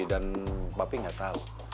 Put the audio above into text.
dan papi gak tau